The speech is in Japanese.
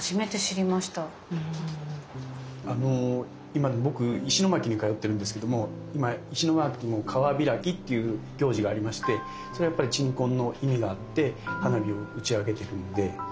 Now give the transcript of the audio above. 今僕石巻に通ってるんですけども今石巻も川開きっていう行事がありましてそれはやっぱり鎮魂の意味があって花火を打ち上げてるんで。